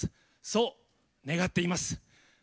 そう願っています。